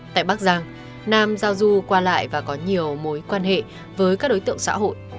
tại bắc giang nam giao du qua lại và có nhiều mối quan hệ với các đối tượng xã hội